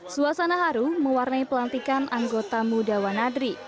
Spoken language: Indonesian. suasana haru mewarnai pelantikan anggota muda wanadri